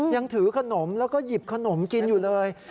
ยังถือขนมแล้วก็หยิบขนมกินอยู่เลย